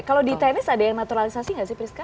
kalau di tenis ada yang naturalisasi nggak sih priska